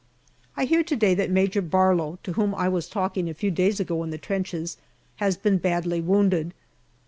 I hear to day that Major Barlow, to whom I was talking a few days ago in the trenches, has been badly wounded.